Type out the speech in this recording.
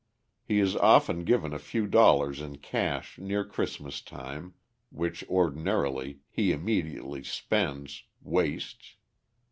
He is often given a few dollars in cash near Christmas time which (ordinarily) he immediately spends wastes.